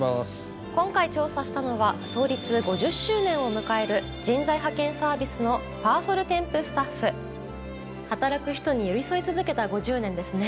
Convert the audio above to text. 今回調査したのは創立５０周年を迎える人材派遣サービスのパーソルテンプスタッフ働く人に寄り添い続けた５０年ですね。